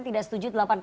tidak setuju delapan dua